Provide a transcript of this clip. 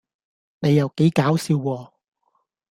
你又幾搞笑喎